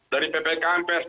dari ppk sampai sdu